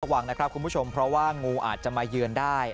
หวังนะครับคุณผู้ชมเพราะว่างูอาจจะมาเยือนได้